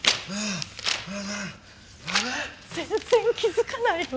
全然気づかないよ！